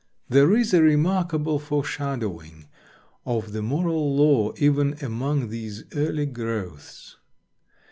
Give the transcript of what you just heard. There is a remarkable foreshadowing of the moral law even among these early growths.